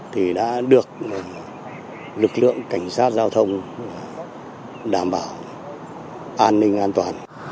thì đã được lực lượng cảnh sát giao thông đảm bảo an ninh an toàn